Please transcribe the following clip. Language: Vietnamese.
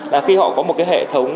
là khi họ có một cái hệ thống